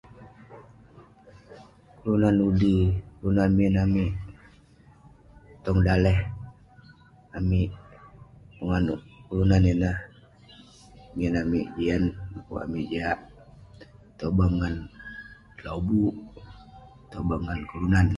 Kelunan udi, kelunan min amik tong daleh amik- penganouk kelunan ineh min amik jian. Dekuk amik jiak petobang ngan lobuk, petobang ngan kelunan.